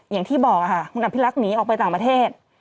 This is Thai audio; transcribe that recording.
อย่างที่บอกค่ะคุณอภิรักษ์หนีออกไปต่างประเทศ